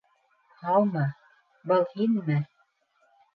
Һаумы! Был һинме?